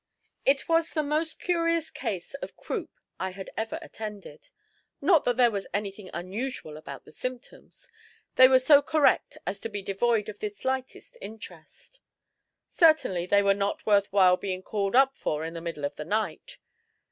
_ It was the most curious case of croup I had ever attended. Not that there was anything unusual about the symptoms they were so correct as to be devoid of the slightest interest. Certainly they were not worth while being called up for in the middle of the night.